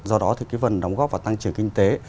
do đó thì cái vần đóng góp vào tăng trưởng kinh tế